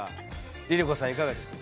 ＬｉＬｉＣｏさんいかがでした？